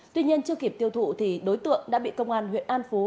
tuy nhiên chưa kịp tiêu thụ thì đối tượng đã bị công an huyện an phú